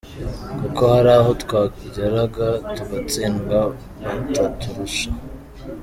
Kuko hari aho twageraga tugatsindwa bataturusha.